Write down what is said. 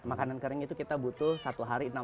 makanan kering itu kita butuh satu hari enam puluh kilo